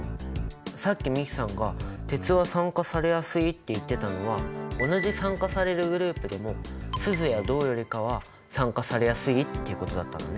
さっき美樹さんが鉄は酸化されやすいって言ってたのは同じ酸化されるグループでもスズや銅よりかは酸化されやすいっていうことだったんだね。